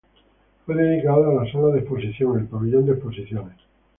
Fue dedicado a las salas de exposición, el Pabellón de Exposiciones.